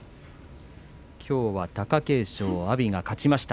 きょうは貴景勝、阿炎が勝ちました。